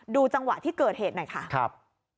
จังหวะที่เกิดเหตุหน่อยค่ะครับ